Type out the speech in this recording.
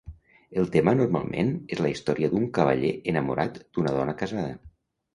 El tema normalment és la història d'un cavaller enamorat d'una dona casada.